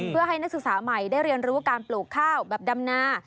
เพื่อให้นักศึกษาใหม่ได้เรียนรู้การปลูกข้าวแบบดำนา